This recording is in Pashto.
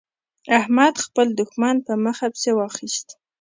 احمد خپل دوښمن په مخه پسې واخيست.